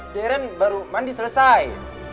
deren baru mandi selesai